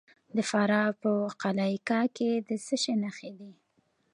د فراه په قلعه کاه کې د څه شي نښې دي؟